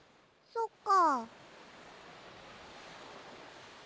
そっか。